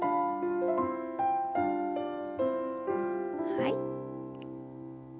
はい。